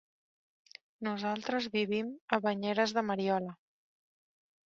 Nosaltres vivim a Banyeres de Mariola.